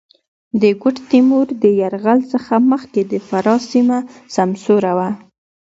د ګوډ تېمور د یرغل څخه مخکې د فراه سېمه سمسوره وه.